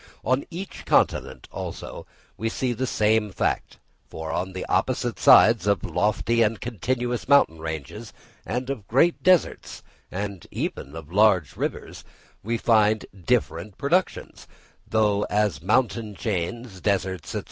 On each continent, also, we see the same fact; for on the opposite sides of lofty and continuous mountain ranges, and of great deserts and even of large rivers, we find different productions; though as mountain chains, deserts, &c.